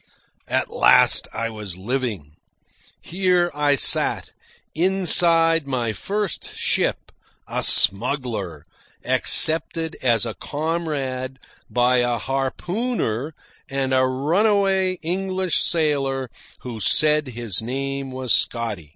At last I was living. Here I sat, inside my first ship, a smuggler, accepted as a comrade by a harpooner and a runaway English sailor who said his name was Scotty.